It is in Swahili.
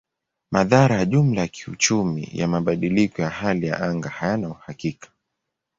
Madhara ya jumla ya kiuchumi ya mabadiliko ya hali ya anga hayana uhakika.